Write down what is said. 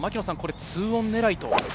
２オン狙いと。